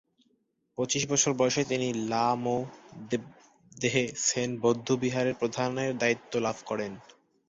পঁচিশ বছর বয়সে তিনি লা-মো-ব্দে-ছেন বৌদ্ধবিহারের প্রধানের দায়িত্ব লাভ করেন।